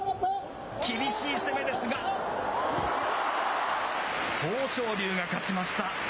厳しい攻めですが、豊昇龍が勝ちました。